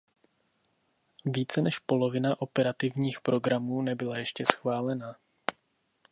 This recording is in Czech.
Více než polovina operativních programů nebyla ještě schválena.